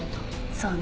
そうね。